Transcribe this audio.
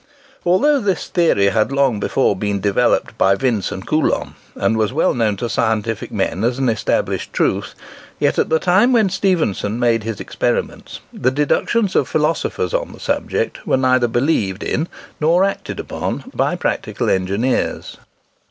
Although this theory had long before been developed by Vince and Coulomb, and was well known to scientific men as an established truth, yet, at the time when Stephenson made his experiments, the deductions of philosophers on the subject were neither believed in nor acted upon by practical engineers.